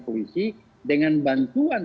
polisi dengan bantuan